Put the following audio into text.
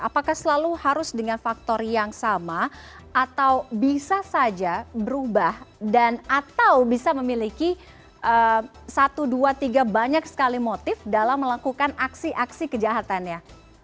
apakah selalu harus dengan faktor yang sama atau bisa saja berubah dan atau bisa memiliki satu dua tiga banyak sekali motif dalam melakukan aksi aksi kejahatannya